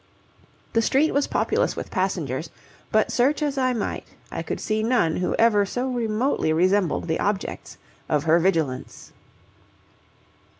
The street was populous with passengers, but search as I might, I could see none who ever so remotely resembled the objects of her vigilance.